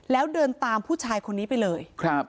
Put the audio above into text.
แล้วเดินตามผู้ชายคนนี้ไปเลย